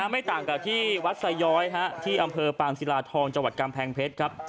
ไม่ต่างกับที่วัดไซย้อยที่อำเภอปางศิลาทองจังหวัดกำแพงเพชรครับ